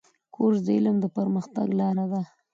کورس د علم د پرمختګ لاره ده.